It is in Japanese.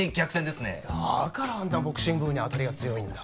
だからあんなボクシング部に当たりが強いんだ。